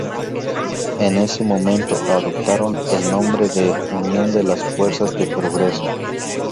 En ese momento adoptaron el nombre de Unión de las Fuerzas de Progreso.